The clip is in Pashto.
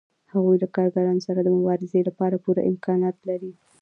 هغوی له کارګرانو سره د مبارزې لپاره پوره امکانات لري